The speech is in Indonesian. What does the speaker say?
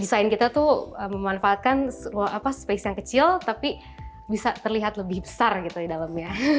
desain kita tuh memanfaatkan space yang kecil tapi bisa terlihat lebih besar gitu di dalamnya